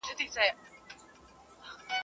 وربشې د ډوډۍ لپاره کارېږي.